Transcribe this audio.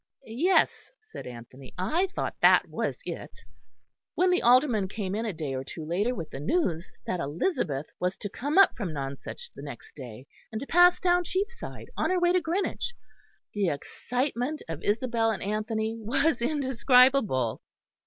"Yes," said Anthony, "I thought that was it." When the Alderman came in a day or two later with the news that Elizabeth was to come up from Nonsuch the next day, and to pass down Cheapside on her way to Greenwich, the excitement of Isabel and Anthony was indescribable.